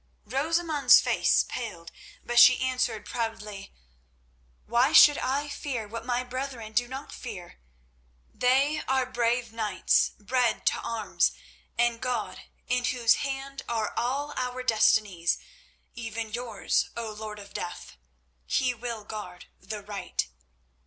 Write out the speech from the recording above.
Rosamund's face paled, but she answered proudly: "Why should I fear what my brethren do not fear? They are brave knights, bred to arms, and God, in Whose hand are all our destinies—even yours, O Lord of Death—He will guard the right."